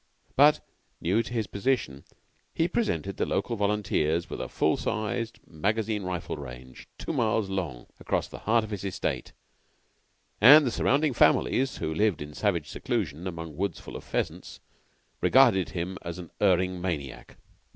But, new to his position, he presented the local volunteers with a full sized magazine rifle range, two miles long, across the heart of his estate, and the surrounding families, who lived in savage seclusion among woods full of pheasants, regarded him as an erring maniac.